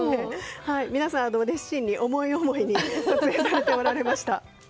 皆さん熱心に、思い思いに撮影されておられました。